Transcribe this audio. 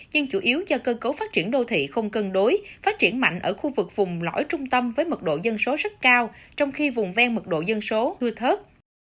nhưng chủ yếu do cơ cấu phát triển đô thị không cân đối phát triển mạnh ở khu vực vùng lõi trung tâm với mật độ dân số rất cao trong khi vùng ven mực độ dân số hư thớt